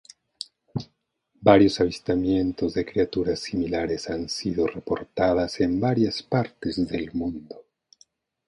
Varios avistamientos de criaturas similares han sido reportadas en varias partes del mundo.